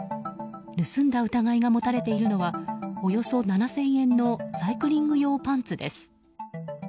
盗んだ疑いが持たれているのはおよそ７０００円のサイクリング用パンツです。